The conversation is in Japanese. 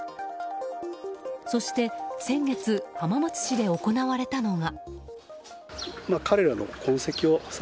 そして、先月浜松市で行われたのが。